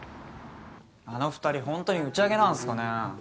あの二人ほんとに打ち上げなんすかね。